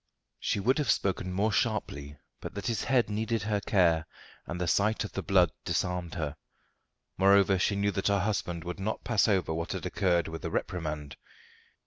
She would have spoken more sharply but that his head needed her care and the sight of the blood disarmed her. Moreover, she knew that her husband would not pass over what had occurred with a reprimand.